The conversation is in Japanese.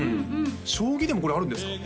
将棋でもこれあるんですか？